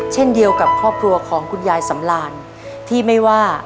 เช่นเดียวกับครอบครัวของคุณยายสำรานที่ไม่ว่า